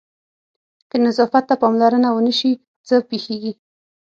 که نظافت ته پاملرنه ونه شي څه پېښېږي؟